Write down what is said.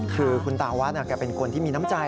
คือคุณตาวัดแกเป็นคนที่มีน้ำใจ